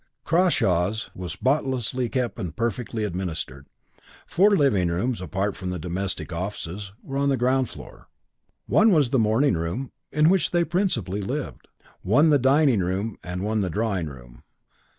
"Crawshaws" was spotlessly kept and perfectly administered. Four living rooms, apart from the domestic offices, were on the ground floor. One was the morning room, in which they principally lived; one the dining room and one the drawing room.